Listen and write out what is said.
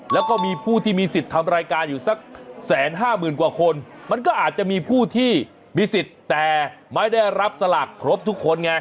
แล้วก็มีผู้ที่มีสิทธิ์ทำรายการอยู่สักแสนห้าหมื่นกว่าคนมันก็อาจจะมีผู้ที่มีสิทธิ์แต่ไม่ได้รับสลากครบทุกคนไง